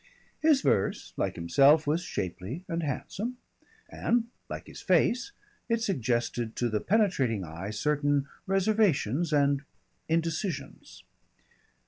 His verse, like himself, was shapely and handsome, and, like his face, it suggested to the penetrating eye certain reservations and indecisions.